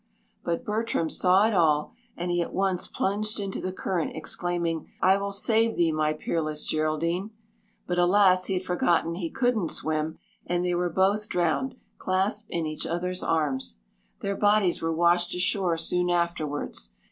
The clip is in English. But Bertram saw it all and he at once plunged into the current, exclaiming, 'I will save thee, my peerless Geraldine.' But alas, he had forgotten he couldn't swim, and they were both drowned, clasped in each other's arms. Their bodies were washed ashore soon afterwards.